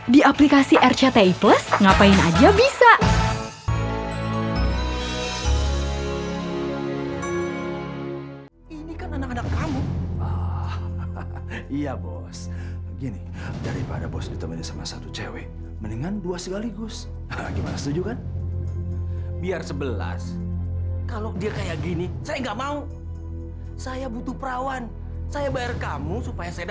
di aplikasi rcti plus ngapain aja bisa